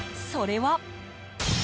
それは。